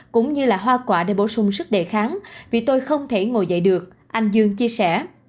cũng như là hoa quả để bổ sung sức đề kháng vì tôi không thể ngồi dậy được anh dương chia sẻ